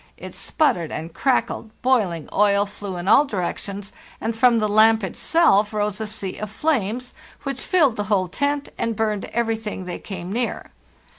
It sputtered and crackled, boiling oil flew in all direc tions, and from the lamp itself rose a sea of flames which filled the whole tent and burned everything they came near.